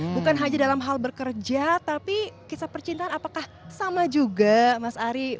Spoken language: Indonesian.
bukan hanya dalam hal bekerja tapi kisah percintaan apakah sama juga mas ari